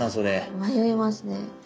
迷いますね。